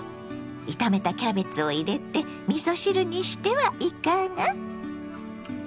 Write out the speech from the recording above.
炒めたキャベツを入れてみそ汁にしてはいかが？